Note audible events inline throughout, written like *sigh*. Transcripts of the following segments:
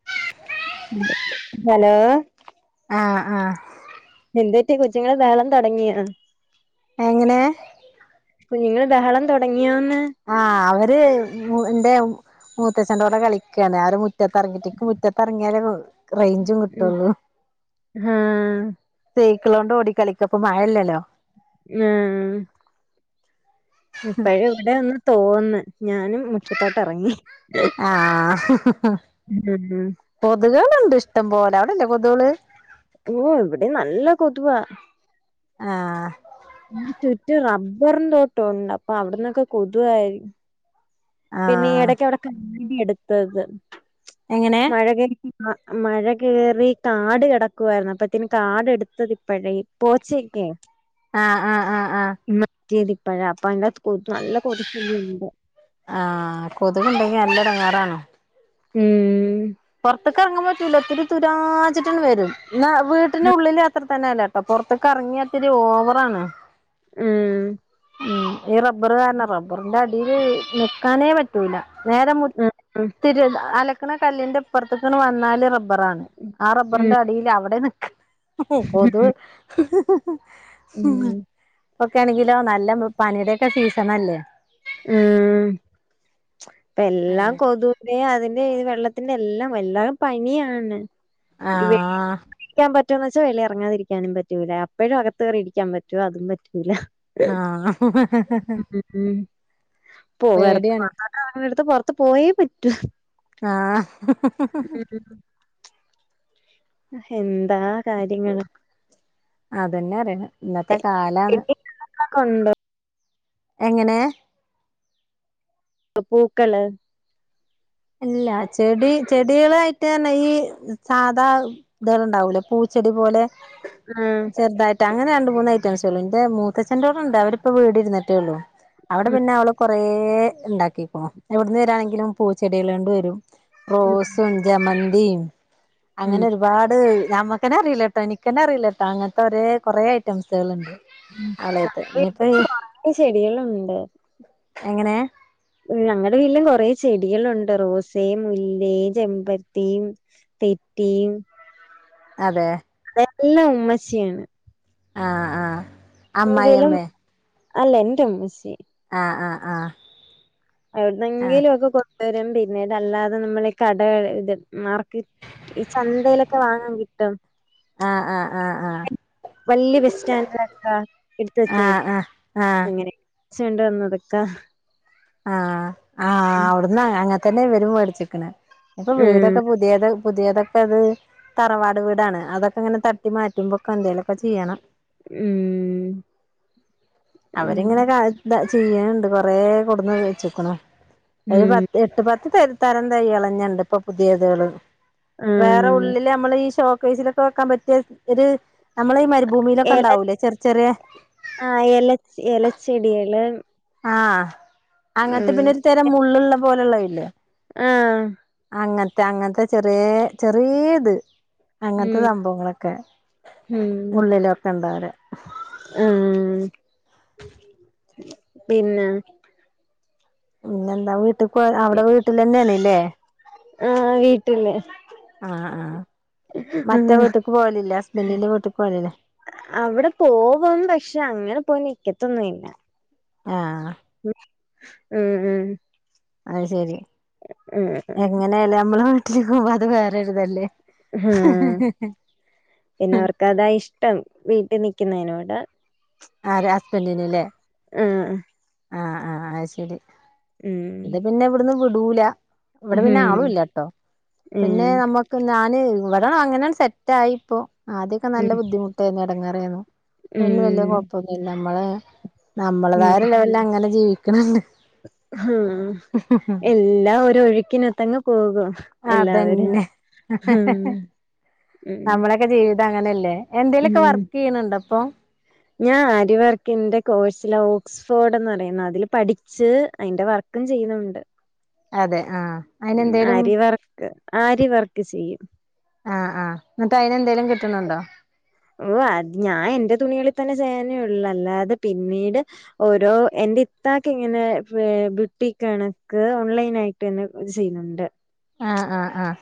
*inaudible* *unintelligible* Hello ആഹ് ആഹ് എന്തുപറ്റി കൊച്ചുങ്ങള് ബഹളം തുടങ്ങിയോ എങ്ങനേ കുഞ്ഞുങ്ങൾ ബഹളം തുടങ്ങിയോന്ന് ആഹ് അവര് മു ന്റെ മൂത്തചെന്റോടെ കളിക്കാണ് അവര് മുറ്റത്തറങ്ങിറ്റ് ഇക്ക് മുറ്റത്തിറങ്ങിയാല് പോ ഇക്ക്റൈഞ്ചും ഉം കിട്ടൊള്ളൂ ആഹ് സൈക്ക്ളോണ്ട് ഓടിക്കളിക്കും അപ്പൊ മഴയല്ലല്ലോ ഏഹ് ഇപ്പഴ് ഇവിടെ ഒന്ന് തോന്ന് ഞാനും മുറ്റത്തോട്ട് എറങ്ങി ആഹ് ഹഹ ഹ ഉം കൊത്കേള്ണ്ട് ഇഷ്ടം പോലെ അവിടെല്ലേ കൊതോള് ഓ ഇവിടെ നല്ല കൊതുവാ ആഹ് ചുറ്റും റബ്ബറും തോട്ടോണ്ട് അപ്പൊ അവിടന്നൊക്കെ കൊതുവായിരി ഉം പിന്നെ ഈ ആഹ് ഇടയ്ക്ക് അവിടെക്കേ *unintelligible* എട്ത്തത് എങ്ങനെ മഴ കഴിഞ് മഴ കേറി കാട് കെടക്കുവായിരുന്നു അപ്പത്തിന് കാട് എട്ത്തത് ഇപ്പഴേ പോച്ചക്കെ ആഹ് ആഹ് ആഹ് ആഹ് മറ്റേത് ഇപ്പഴാഅപ്പൊ അയ്ന്റെകത്ത് കൊതു നല്ല കൊതുവിരിഞ്ഞ്ണ്ട് ആഹ് കൊതുക് ഇണ്ടെങ്കി നല്ല എടങ്ങാറാണ് ഉം ഉം പൊറത്ത്ക്ക് എറങ്ങാൻ പറ്റൂല ഒത്തിരി തുരു തുരാച്ച്ട്ട്ണ് വരും ഇന്നാ വീട്ടിന്റെ ഉള്ളില് അത്ര ഇപർണയല്ലട്ടോ പൊറത്ത്ക്ക് അറങ്ങിയാഇത്തിരി ഓവറാണ് ഉം ഉം ഈ റബ്ബർ കാരണാ റബ്ബറിന്റെ അടിയില് നിക്കാനേ പറ്റ് റ്റൂല വേറെ മുറ്റ് ആഹ് ആഹ്. *unintelligible* അലക്കണ കല്ലിന്റെ ഇപ്പറ്ത്ത്ക്ക്ണ് വന്നാല് റബ് ബറാണ് ആഹ് ഉം. റബ്ബറിന്റെ അടീല് അവടെ നിക്കാ ഹ്ഹ് കൊതുഹ്ഹ്ഹ് ഉം. *unintelligible* ഇപ്പൊക്കേ ണെങ്കിലോ നല്ല പനിടെക്കെ സീസണനല്ലേ ഉം *unintelligible* ഇപ്പെല്ലാം കൊതു തേ അതിന്റെ ഇത് വെള്ളത്തിന്റെ എല്ലാം എല്ലാടും പനിയാണ് എനിക്ക് വെയ്യ ആഹ് ഇരിക്കാൻ പറ്റോന്ന് വെച്ചാ വെളീൽ ഇറങ്ങാതിരിക്കാനും പറ്റൂല അപ്പഴും അകത്ത്കേറി ഇരിക്കാൻ പറ്റോ അതും പറ്റൂല ആഹ് *unintelligible* *inaudible* പോവാറ് പേടിയാണ് *unintelligible* വെറ്തെ പൊറത്ത് പോയേ പറ്റൂ ആഹ് *inaudible* ഹെന്താ അതന്നെ അറിണ് ഇന്നത്തെ കലാണ് നിങ്ങകൊക്കേ ഉണ്ടോ എങ്ങനെ അപൂക്കള് ല്ല ചെടി ചെടികളായിട്ട് ഈ സാധാ ബടെണ്ടാവൂലേ പൂച്ചെടി പോലെ ആഹ് ചെറ്തായിട്ട് അങ്ങനെ രണ്ട് മൂന്ന് ഐറ്റംസെ ഉള്ളു എന്റെ മുത്തച്ഛേന്റോടൊണ്ട് അവരിപ്പോ വീട്ര്ന്ന്ട്ടേ ഉള്ളൂ അവടെ ഉം. പിന്നെ അവള് കൊറ ഇണ്ടാക്കികുണു എവ്ടുന്ന് വരാണെങ്കിലും പൂച്ചെടികൾ കൊണ്ട് വരും ഉം. റോസും ജമന്തിം ഉം. അങ്ങനെ ഒരു ഒരുപാട് ഞമ്മക്കന്നെ അറിയില്ലട്ടോ എനിക്കന്നെ അറിയില്ലട്ടോ അങ്ങൻത്തെ ഒരേ കൊറേ ഐറ്റംസ്കള്ണ്ട് അളേത് വീട്ടില് ഇനിപ്പൊ കൊറേ ചെടികളുണ്ട്. *inaudible* എങ്ങനെ ഞങ്ങടെ വീട്ടിലും കാെറേ ചെടികളുണ്ട് റോസ് മുല്ല ചെമ്പര ത്തിയും തെറ്റീയും അതെ അതെല്ലാം ഉമ്മച്ചിയാണ് ആഹ് ആഹ് എങ്കിലും. അമ്മായിയമ്മേ അല്ല എന്റെ ഉമ്മച്ചി ആഹ് ആഹ് ആഹ് ആഹ് എവിടുന്നെങ്കിലും ഒക്കെ കൊണ്ടെവരും പിന്നെ ഇതല്ലാതെ നമ്മൾ ഈ കടെ ഇത് മാർക്ക് ഈ ചന്തയിലൊക്കെ വാങ്ങാൻ കി ആഹ് -ആഹ് -ആഹ് -ആഹ് വല്ല്യ വിസ്റ്റാന്റായിട്ട എടുത്ത് വച്ചേ ആഹ് ആഹ് ഇങ്ങനെ ച്ചുണ്ട് വന്നതൊക്ക ആഹ്.. ആഹ് അവ്ടുന്ന ഞങ്ങക്കെല്ലാ ഇവരും വേടിച്ചിക്ണ് ഇപ്പൊ ഉം വീടൊക്കെ പു പുതിയത് പുതിയതൊക്കെ ഇത് തറവാട് വീടാണ്. അതൊക്കെ ങ്ങനെ തട്ടി മാറ്റുമ്പൊക്കെ എന്തേലൊക്കെ ചെയ്യണം. ഉം ഉം അവരിങ്ങനെ കാൽ ഇതാ ചെയ്യണണ്ട് കൊറേ കൊണ്ടൊന്നു വെച്ചേക്കണു ഒരു പ ഉം എട്ട് പത്ത് തരം തരം തൈകള് തന്നേണ്ട് ഇപ്പൊ പുതിയത്കള് ഉം വേറെ ഉള്ളില് നമ്മള് ഈ ഷോക്കേസിലൊക്കെ വെക്കാൻ പറ്റിയ ഒര് നമ്മള് ഈ മരുഭൂമിയിലൊക്കെ എല ണ്ടാവൂലേ ചേർ ചെറിയ ആഹ് എലച് എലച്ചെടികള് ആ അങ്ങനത്തെ ഉം പിന്നെ ഒരു തരം മുള്ള്ള്ള പോലുള്ള ഇല്ലേ? ആഹ് അങ്ങൻ ത്തെ അങ്ങനത്തെ ചെറിയേ ചെറിയേയിത് അങ്ങനത്തെ ഉം സംഭവങ്ങളൊക്കെ ഉള്ളിലൊക്കെ ഉണ്ടാവര് ഉം പിന്നെ പിന്നെന്താ വീട്ടിക്കോ അവിടെ വീട്ടിലന്നെയാണ്ല്ലേ ആഹ് വീട്ടില് ആഹ്... ആഹ് ഉം മറ്റേ വീട്ടക്ക് പോവലില്ല. ഹസ്ബന്റിന്റെ വീട്ട്ക്ക് പോവലില്ലേ അവടെ പോവും. പക്ഷെ അങ്ങനെ പോയി നിക്കത്തൊന്നും ഇല്ല. ആഹ് മം ഉംമം അത് ശെരി ഉം എങ്ങനെ ആയാലും നമ്മള് വീട്ടിലേക്ക് പോവുമ്പോ അത് വേറൊരു ഇതല്ലേ ഹും പിന്നെ അവർക്ക് അതാ ഇഷ്ടം വീട്ടി നിക്കുന്നതിനോട് ആരാ ഹസ്ബൻഡിന്ല്ലേ? ആഹ് ആഹ്- ആഹ് അത് ശരി ഉം ഇത് പിന്നെ ഇവിടുന്ന് വിടൂല. ഇവടെ പിന്നെ ഉം ആളുംല്ലാട്ടോ പിന്നെ ഉം നമ്മ ക്ക് ഞാന് ഇവിടെ അങ്ങനെ സെറ്റായിപ്പോ. ആദ്യൊക്കെ നല്ല ഉം ബുദ്ധിമുട്ടെര്ന്നു എടങ്ങേറേര്ന്നു. ഇല്ല വല്യ ഉം കൊഴപ്പൊന്നില്ല നമ്മള് നമ്മള്തായ ഒരു ലെവലില് അങ്ങനെ ജീവിക്കണണ്ട് ഹും എല്ലാം ഒരു ഒഴുക്കിനോത്തങ്ങ് പോകും എല്ലാവരും അതന്നെ മം നമ്മളൊക്കെ ജീവിതം അങ്ങനെയല്ലേ എന്തേലൊക്കെ വർക്ക്യ്യ്ന്ണ്ടോ ഇപ്പം ഞാൻ ആരിവർക്കിന്റെ കോഴ്സില ഓക്സ് സ്ഫോഡ്ന്ന് പറയുന്ന. അതില് പഠിച്ച് അയിന്റെ വർക്കും ചെയ്യുന്ന്ണ്ട്. അതെ ആ.. ഉം അരി വർക്ക് ആരി വർക്ക് ചെയ്യും. ആഹ്... ആഹ് ന്നട്ട് അയിന് എന്തേലും കിട്ട്ണ് ണ്ടോ ഓ അത് ഞാൻ എന്റെ തുണികളിൽ തന്നെ ചെയ്യാനേ ഉള്ളൂ അല്ലാതെ പിന്നീട് ഓരോ എന്റെ ഇത്താക്ക് ഇങ്ങനെ ബ് ബുട്ടിക്ക് ആണ് ക്ക് ഓൺലൈൻ ആയി ഇത് ചെയ്യുന്ന്ണ്ട് ആഹ്- ആഹ്- ആഹ്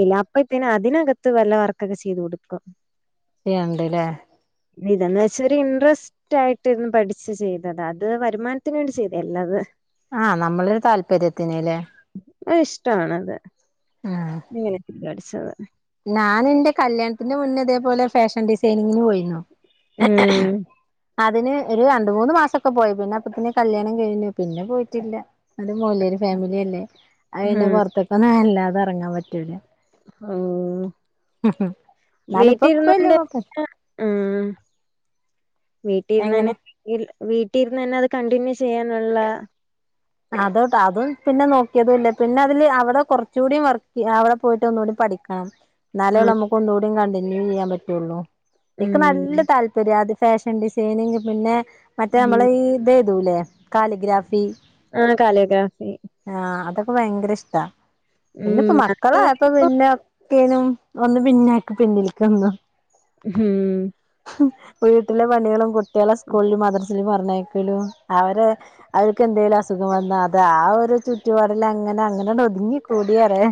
ഇല്ല അപ്പ ഇതിന അതിനകത്ത് വല്ല വർക്കൊക്കെ ചെയ്ത് കൊടുക ചെയ്യണ്ടല്ലേ നിതാന്ന ച്ചല് ഒരു ഇൻട്രസ് റ്റായിട്ടിര്ന്ന് പഠിച്ച് ചെയ്തത അത് വരുമാൻത്തിന് ണ്ടി ചെയ്തെ എല്ലാ ത് ആഹ് നമ്മളെ ര് താല്പര്യത്തിന് ലെ? അ ഇഷ്ടണത് ഇങ്ങനെ തടിച്ചത്. ഞാന് ന്റെ കല്യാൺത്തിന്റെ മുന്നേ ഇതേപോലെ ഫെഷൻ ഡിസൈനിങ്ങിന് പോയിരുന്നു. മ്മം അതിന് ഒര് രണ്ട്‌ മൂന്ന് മാസൊക്കെ പോയി പിന്നെ അപ്പത്തിന് കല്യാണം കഴിഞ്ഞു പിന്നെ പോയിറ്റില്ല. അഅതൊരു മോലിയർ ഫാമിലി അല്ലേ അയിന് ഉം പൊറത്ത്കൊന്നും അല്ലാതെ എറങ്ങാ പറ്റൂല. ഉം എന്നാലും ഇപ്പ ഇപ്പ ഇല്ല വീട്ടീര്ന്നൊണ്ട് കൊഴപ്പം നെ ഉം വീട്ടി ഇര്ന്നേന്നെ എങ്ങനെ വി ട്ടിര്നെന്നത് അത് കണ്ടിന്യൂ ചെയ്യാനുള്ള അതോടട്ടൊ അതും പിന്നെ നോക്കിയതുല്ല പിന്നെ അതില് അവടെ കൊറച്ചുടി വർക്ക് അവടെ പോയിട്ട് ഒന്നൂടി പഠിക്ക ആ ന്നാലേ ഉം അമ്മക്ക് ഒന്നുടി കണ്ടിന്യൂ യ്യാ പറ്റുള്ളു എക്ക് ഉം നല്ല താല്പര്യ അത് ഫെഷൻ ഡിസൈനിങ് പിന്നെ മറ്റേ ഉം അമ്മളെ ഈ ഇതെയ്തുലെ കാലിഗ്രാഫി ആഹ് കലിഗ്രാഫി ആഹ് അതൊക്കെ വയങ്കര ഇഷ്ടാ പിന്നെ പ്പ ഉം മക്കളയപ്പോ ഇപ്പം പിന്നെ കെനും ഒന്ന് പിനാക്ക് പിന്നിൽക്ക്ന്നു ഉം വീട്ടിലെ പണികളും കുട്ട്യേളെ സ്കൂളില്ലും മദ്രറസിലും പറഞ്ഞയ ഉം അവരെ അവര്കെന്തേലും അസ് സുഖം വന്ന അത ആ ഒരു ചുറ്റുപാടിൽ അങ്ങനെ അങ്ങനെ ട്ട് ഒതുങ്ങി കൂടിറയ.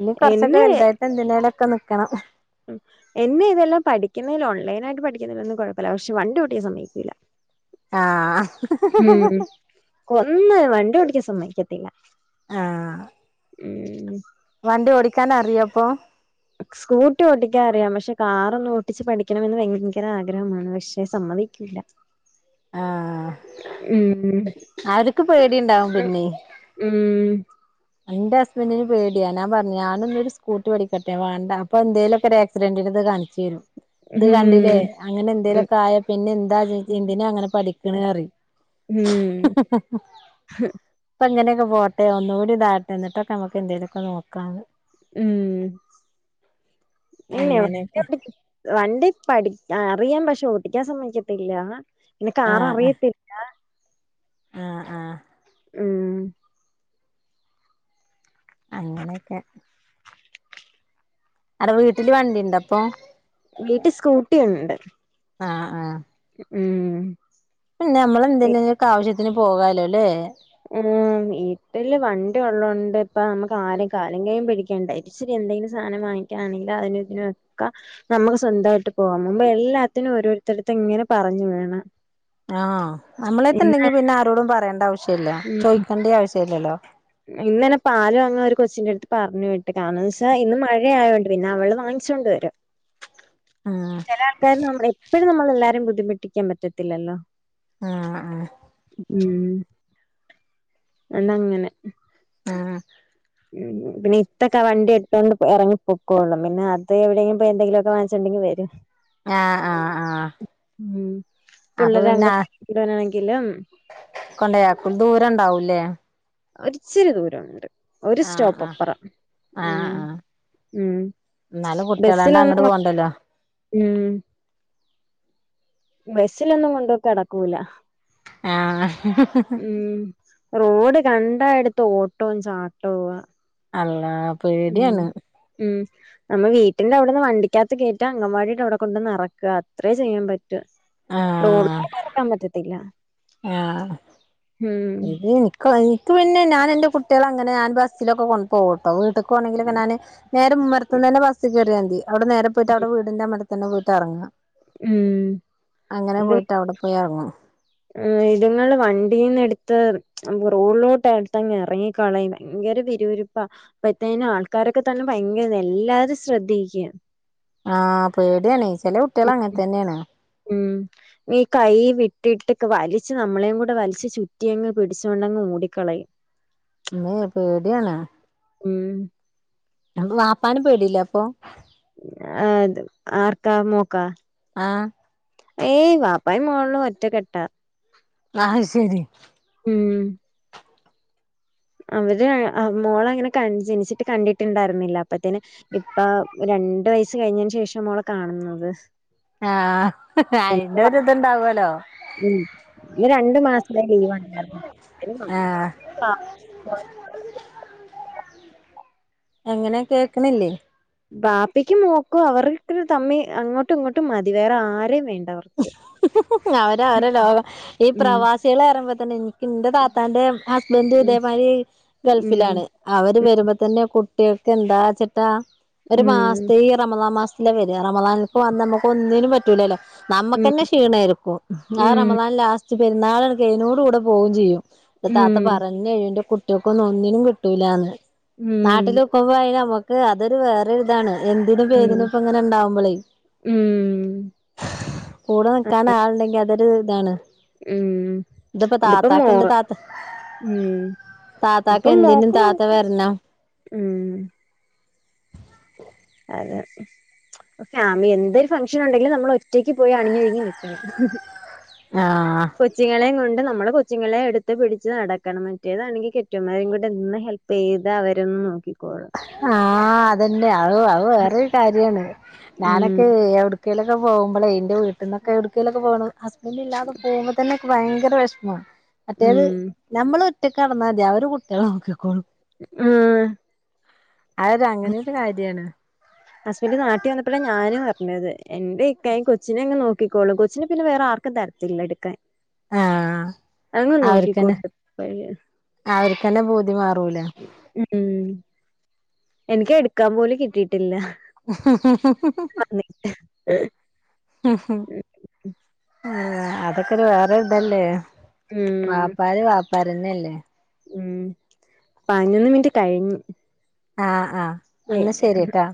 ഇനി കുറച്ചൊക്കെ എന്നെ വെൽതായിട്ട് എന്തിനേലൊക്കെ നക്കണം. എന്നെ ഇതെല്ലാം പഠിക്കുന്നേൽ ഓൺലൈനായിട്ട് പഠിക്ന്നെലൊന്നും കൊഴപ്പല്ല പക്ഷെ വണ്ടി ഓട്ടിയ്കാ സമ്മയ്ക്കില. *inaudible* ആഹ് കൊന്ന് വണ്ടി ഓടിക്കൻ സമ്മയ്ക്കത്തില്ല. ആഹ് മ്മം വണ്ടി ഓടിക്കാന റിയോപ്പൊ? സ്കൂട്ടി ഓട്ടിക്കാ അറിയാം പഷെ കാറൊന്നും ഓട്ടിച്ച് പഠിക്കണമെന്ന് ഭയങ്കങ്കര ആഗ്രഹമാണ് പക്ഷ സമ്മതിക്കില്ല. *inaudible* ആഹ് ഉം അവര്ക്ക് പേടിണ്ടാവും പിന്നെ ഉം ഇന്റെ ഹസ്ബന്റിന് പേടിയ ഞാ പറഞ്ഞ ഞാനൊന്ന് ര് സ്കൂട്ടി പടിക്കട്ടെ വേണ്ട അപ്പോ എന്തേലൊക്കെ രെ ഫ്രണ്ടിലിത് കാണികെരുന്നു ഉം. ത് കണ്ടില്ലേ അങ്ങനെ ഉം. എന്തേലൊക്കൊയ പിന്നെ എന്താ ഇജ്ജ് എന്തിന അങ്ങനെ പഠിക്ക്ണെറിം ഉം ഇപ്പൊ ങ്ങനെകെ പോട്ടെ ഒന്നുടി താട്ടെ ന്നിട്ടൊക്കെ അമക്ക് എന്തേലുക്കെ നോക്കാന്ന്. ഉം ഇനെ വണ്ടി അങ്ങനെയൊക്കെ ഓടി വണ്ടി പഠി ആ അറിയം പഷെ ഓട്ടിക്കാ സമ്മയ്ക്കത്തില്ല നിനക്ക് കാറ ആഹ് ആഹ് റിയത്തി ആഹ് ആഹ് മം അങ്ങനെക്കെ അതെ വീട്ടില് വണ്ടിണ്ടൊ പ്പൊ? വീട്ടി സ്കൂട്ടി ണ്ട്. ആഹ് ആഹ് ഉം ഉം പിന്നെ വീ- അമ്മളെന്തെങ്കിലൊക്കെ ആവശ്യത്തിന് പോകാലോലെ മ് വീട്ടില് വണ്ടി ഒള്ളോണ്ട് ഇപ്പൊ അമ്മക്ക് ആരെ കായും കൈയ്യും പിടി ണ്ട ട്ച്ചിരി എന്തെങ്കിലും സാനം വാങ്ങിക്കാണെങ്കില് അതിന് തി നൊക്ക നമക്ക് സ്വന്തായിട്ട് പോവാം മുമ്പ് എല്ലാത്തിനും ഓരോരുത്തരട്ത്ത് ഇങ്ങനെ പറഞ്ഞ് വേണം ആഹ് നമ്മളേട്ത്ത്ണ്ടെങ്കി ഇന്ന് പിന്നെ ആരോടും പറയേണ്ട ആവശ്യല്ല ചോയിക്കേണ്ടി ആവശ്യല്ലേല്ലോ. ഇന്ന്ലെ പാല് വാങ്ങാൻ ഒരു കൊച്ചിന്റെട്ത്ത് പറഞ്ഞു വിട്ട് കാരണന്ന്ച്ചാ ഇന്ന് മഴയായൊണ്ട് പിന്നെ അവള് വാങ്ങിച്ചോണ്ട് വരും. *inaudible* ആഹ് ചെല ആൾക്കാര് നമ്മ എപ്പഴും നമ്മളെല്ലാരിം ബുദ്ധിമുട്ടിക്കാൻ പറ്റത്തില്ലല്ലോ. ആഹ് ആഹ്. ഉം എണങ്ങനെ ആഹ്. ഉം പിന്നെ ഇത്തൊക്കെ വണ്ടി എടുത്തോണ്ട് പോ എറങ്ങി പൊക്കോളും പിന്നെ അത് എവിടെയെങ്കി പോയി എന്തെങ്കിലൊക്കെ വാങ്ങി ച്ചണ്ടെങ്കി വരും ആഹ് ആഹ് ആഹ് മ്മ് അപ്പൊ പിള്ളരെ പിന്നെ അഗംവാടി ഇടാനാണെങ്കിലും കൊണ്ടയാക്കും ദൂരണ്ടാവും ല്ലേ? ഒരിച്ചിരി ദൂരണ്ട് ഒരു ആഹ് സ്റ്റോപ്പ് ആഹ് അപ്പറം ആഹ് ഉം ആഹ് ഉം എന്നാലും ബസ്സിൽ കുട്ടികളാണ്ട് അങ്ങോട്ട് വന്ന പോണ്ടല്ലോ ഉം. ബസ്സിലൊന്നും കൊണ്ട് കെടകൂല. ആഹ്. ഉം റോഡ് കണ്ടാ എട്ത്തോ ഓട്ടോ ചാട്ടോവാ അള്ളാം. ഉം ഉം നമ്മ വീട്ടിന്റെ അവ്ട്ന്ന് വണ്ടിക്കകത്ത് കേറ്റാ അഗംവാടിടെ അവ്ടെ കൊണ്ടന്ന് അറക്കാ അത്രേ ചെയ്യാ പ റ്റ ആഹ് റോഡ്ക്ക് എറക്കാൻ പറ്റത്തില്ല ഉം. ഇൻകൊ ഇൻക്ക് പിന്നെ ഞാൻ എന്റെ കുട്ടിയാളെ അങ്ങനെ ഞാ ബസ്സിലൊക്കെ കൊണ്ട ഓട്ടോ വീട്ട് കോണെങ്കിലൊക്കെ ഞാന് നേരെ ഉമ്മർത്ത്ന്നന്നെ ബസ് കേറ്യാതി. അവിടെ നേരെ പോയിട്ട് അടെ വീടിന്റെ തന്നെ പോയിട്ട് എർങ്ങാ. ഉം. അങ്ങനെ പോയിട്ട് അവിടെ പോയർങ്ങും. ആഹ് ഇതുങ്ങൾ വണ്ടീന്ന് എട്ത്ത് റോഡിലോട്ട് അട്ത്തങ്ങ് എറങ്ങി കളയും ഭയങ്കര പിരിപിരിപ്പാ അപ്പഴത്തേനും ആൾക്കാരൊക്കെ തന്നെ ഭയങ്കര എല്ലാരും ശ്രദ്ധിക്കും ആഹ് പേട്യാണെ ചെലേ കുട്ട്യേള് ഉം അങ്ങനത്തന്നേണ് ഉം. ഈ കൈ വിട്ടിട്ട് ക് വലിച്ച് നമ്മളേം കൂടെ വലിച്ച് ചുറ്റി അങ്ങ് പിടിച്ചോണ്ടങ്ങ് ഓടിക്കളയും. *inaudible* ഇമ്മേ പേട്യാണ്. ഉം. *unintelligible* വാപ്പാനെ പേടില്ലേ അപ്പൊ? ഏത് ആർക്കാ മോക്കാ? ആഹ്. ഏയ് വാപ്പായും മോളും ഒറ്റ കെട്ടാ ആഹ് ശരി. ഉം അവര് അ മോളങ്ങനെ ക ജനിച്ചിട്ട് കണ്ടിട്ടുണ്ടായിര്ന്നില്ല. മറ്റേനെ ഇപ്പ രണ്ട് വയസ്സ് കഴിഞ്ഞതിന് ശേഷം മോളെ കാണുന്നത്. ആഹ് അയിന്റൊരുത്ണ്ടാവോ ല്ലോ. ഉം ഈ രണ്ട് മാസത്തെ ലീവാണ്ടായിരുന്നൊള്ളു അപ്പ ഞാൻ വന്ന് ആഹ് എങ്ങനെ കേക്ക്ണില്ലേ ബാപ്പക്ക് മോക്കും അവർക്കു തമ്മി അങ്ങോട്ടും ഇങ്ങോട്ടും മതിവേറെ ആരേ വേണ്ടവർ- അവര് അവരെ ലോകം ഈ ഉം പ്രവാസികൾ അറിമ്പത്തന്നെ ഇൻക്ക് എന്റെ താത്താന്റെ ഹസ്ബന്റും ഉം ഇതേമാരി ഉം ഗൾഫിലാണ്. അവര് വരുമ്പോ തന്നെ കുട്ടികൾക്ക് എന്താ വച്ചിട്ടാ. ഒരു ഉം മാസത്തെ ഈ റമളാ മാസത്തെ ഇല്ല പേര് റമലാനിക്ക് വന്ന നമുക്ക് ഒന്നിനും പറ്റൂലല്ലോ ഉം നമ്മ്ക്കന്നെ ക്ഷീണയിരിക്കും ആ ഉം റമനാൻ ലാസ്റ്റ് പെരുന്നാൾ ണ്ട് കായ്നോട് കൂടെ പോവുക്കും ചെയ്യും താത്ത ഉം പറഞ്ഞഴിന്റെ കുട്ടികൾക്ക ഒന്നും ഒന്നിനും കിട്ടൂല്ലന്ന് ഉം നാട്ടില അപ്പ നമുക്ക് അതൊരു വേറൊരി ഇതാണ് എന്തിനന് ഉം പേര്ന്ന് ഇപ്പ ഇങ്ങനെ ഉണ്ടാവുമ്പോളേ ഉം കൂടെ നിക്കാൻ ആളുണ്ടെങ്കി അതൊരു ഇതാണ്. ഉം ഇതിപ്പോ മോ ദപ്പതാത്തക്ക് ഇണ്ട് താത്ത ഉം താത്തക്ക് എന്തിനും താത്ത വരണം മ് അഹ് ഫാമിലി എന്തരു ഫംഗ്ഷൻ ഉണ്ടെങ്കിലും നമ്മൾ ഒറ്റയ്ക്ക് പോയി അണിഞ്ഞൊഴങ്ങി നിക്കണം. ആഹ കൊച്ചിങ്ങളെ കൊണ്ട് നമ്മള് കൊച്ചിങ്ങളെ എടുത്ത് പിടിച്ച് നടക്കണം. മറ്റേതാണെങ്കിൽ കെട്ടിയൊൻ കൊണ്ട് ഹെൽ പെയ്താ അവരൊന്ന നോക്കിക്കോളും ആഹ അതന്നെ അ അതൊരു വേറരു കാര്യാണ് ഉം ഞാനൊക്കെ എവിടെ ഇടുക്കലൊക്കെ പോകുമ്പളേ ഇൻ്റെ വീട്ടിൽ ന്നെക്കെ എവിടുക്കേലെക്കെ പോണെ ഹസ്ബൻഡ് ഇല്ലാതെ പോകുമ്പോ തന്നെ ഭയങ്കര വിഷമമാണ് മറ്റേത് ഉം നമ്മൾ ഒറ്റക്ക്ടന്നാൽ മതി അവരെ കുട്ടികളെ നോക്കിക്കോളും മ് അത് അങ്ങനെയൊരു കാര്യാണ് ഹസ്ബൻഡറ് നാട്ടി വന്നപ്പോഴാണ് ഞാനും അറഞ്ഞത്. എന്റെ ഇക്കായ കൊ കൊച്ചിനെങ്ങെ നോക്കിക്കോളൂ കൊച്ചിനെ പിന്നെ വേറെ ആർക്കും തരത്തില്ല എടുക്കാൻ ആഹ് അങ്ങനോ *unintelligible* രാവിലെ തെന്നെ പൂതി മാറൂല മ് എനിക്ക് എടുക്കാൻ പോലും കിട്ടിയിട്ടില്ല. മ്മ്മ് ആ അതൊക്കെരു വേറെ ഇതല്ലേ ഉം വാപ്പാരി വാപ്പാരിന്നെല്ലേ? ഉം പതിനൊന്ന് മിനിറ്റ് കഴിഞ്ഞു ആഹ ആഹ് എന്നാ ശരി ട്ടാ